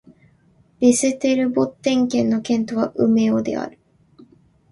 ヴェステルボッテン県の県都はウメオである